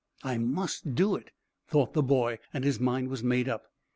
"I must do it," thought the boy, and his mind was made up.